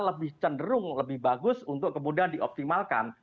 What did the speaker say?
lebih cenderung lebih bagus untuk kemudian dioptimalkan